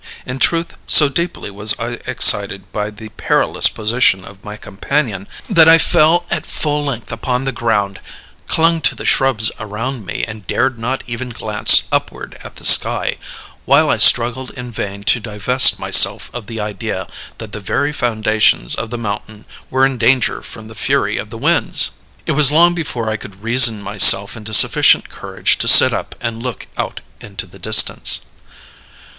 In truth, so deeply was I excited by the perilous position of my companion that I fell at full length upon the ground, clung to the shrubs around me, and dared not even glance upward at the sky while I struggled in vain to divest myself of the idea that the very foundations of the mountain were in danger from the fury of the winds. It was long before I could reason myself into sufficient courage to sit up and look out into the distance.